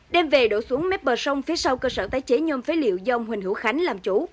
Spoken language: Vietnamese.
đem về đổ xuống mép bờ sông phía sau cơ sở tái chế nhôm phế liệu do ông huỳnh hữu khánh làm chủ